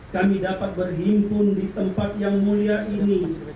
kami dapat berhimpun di tempat yang mulia ini